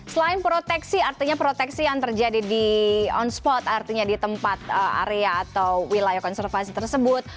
selain proteksi artinya proteksi yang terjadi di on spot artinya di tempat area atau wilayah konservasi tersebut